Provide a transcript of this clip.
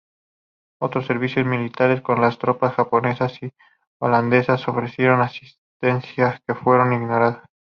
Otros servicios militares, como las tropas japonesas y holandesas, ofrecieron asistencia pero fueron ignorados.